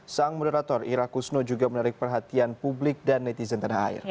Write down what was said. sang moderator ira kusno juga menarik perhatian publik dan netizen tanah air